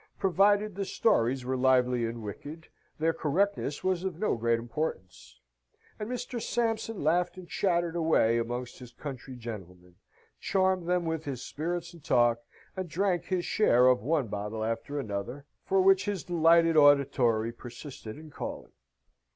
Provided the stories were lively and wicked, their correctness was of no great importance; and Mr. Sampson laughed and chattered away amongst his country gentlemen, charmed them with his spirits and talk, and drank his share of one bottle after another, for which his delighted auditory persisted in calling.